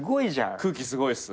空気すごいっす。